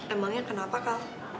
emangnya kenapa kal